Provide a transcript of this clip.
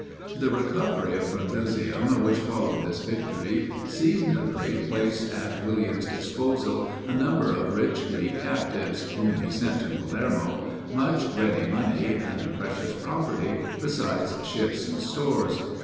The recovery of Brundusium, which followed this victory, seasonably placed at William's disposal a number of rich Greek captives, whom he sent to Palermo, much ready money and precious property, besides ships and stores.